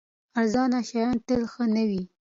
ارزانه شیان تل ښه نه وي.